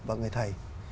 và người thầy